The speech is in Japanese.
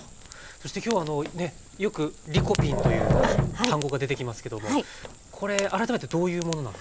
そして今日よくリコピンという単語が出てきますけどもこれ改めてどういうものなんですか？